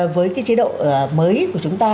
với cái chế độ mới của chúng ta